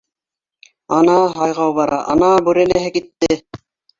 — Ана һайғау бара, ана бүрәнәһе китте!